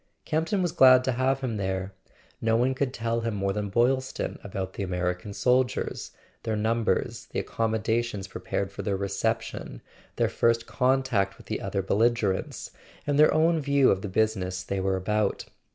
Campton was glad to have him there; no one could tell him more than Boylston about the American soldiers, their numbers, the accommodations prepared for their reception, their first contact with the other belligerents, and their own view of the busi¬ ness they were about.